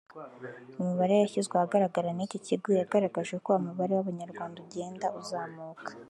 Imibare yashyizwe ahagaragara n’iki kigo yagaragaje ko umubare w’Abanyarwanda ugenda uzamuka